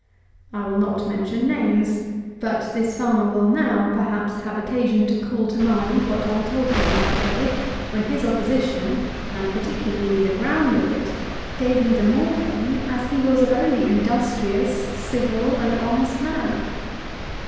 I will not mention names; but this farmer will now, perhaps, have occasion to call to mind what I told him on that day, when his opposition, and particularly the ground of it, gave me the more pain, as he was a very industrious, civil, and honest man.